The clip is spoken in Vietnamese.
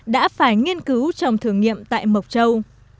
đã phải nghiên cứu trong thử nghiệm tại mộc châu